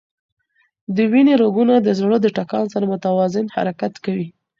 د وینې رګونه د زړه د ټکان سره متوازن حرکت کوي.